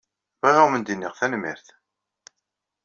Bɣiɣ ad wen-d-iniɣ tanemmirt.